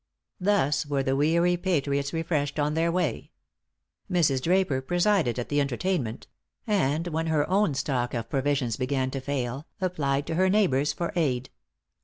Thus were the weary patriots refreshed on their way. Mrs. Draper presided at the entertainment; and when her own stock of provisions began to fail, applied to her neighbors for aid.